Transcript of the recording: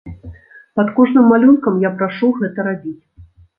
Пад кожным малюнкам я прашу гэта рабіць!